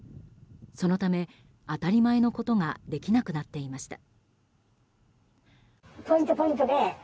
そのため当たり前のことができなくなっていました。